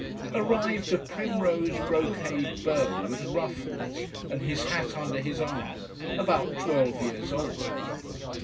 Arrived a primrose brocade beau, with ruffles, and his hat under his arm: about twelve years old.